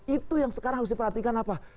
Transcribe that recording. itu yang sekarang harus diperhatikan apa